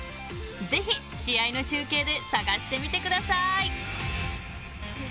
ぜひ、試合の中継で探してみてください！